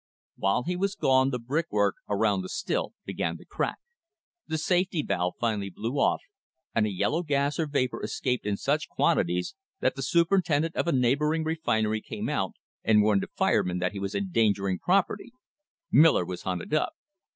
While he was gone the brickwork around the still began to crack. The safety valve finally blew off, and a yellow gas or vapour escaped in such quantities that the superintendent of a neighbouring re finery came out and warned the fireman that he was endanger ing property. Miller was hunted up.